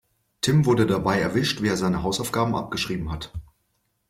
Tim wurde dabei erwischt, wie er seine Hausaufgaben abgeschrieben hat.